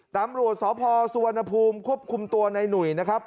ตำรวจสพสุวรรณภูมิควบคุมตัวในหนุ่ยนะครับ